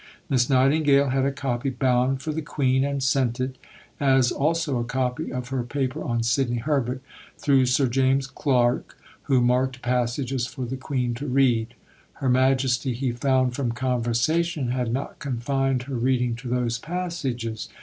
Miss Nightingale had a copy bound for the Queen, and sent it as also a copy of her Paper on Sidney Herbert through Sir James Clark, who marked passages for the Queen to read. Her Majesty, he found from conversation, had not confined her reading to those passages.